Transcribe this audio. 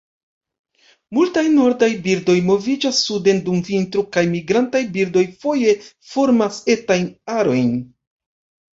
Multaj nordaj birdoj moviĝas suden dum vintro, kaj migrantaj birdoj foje formas etajn arojn.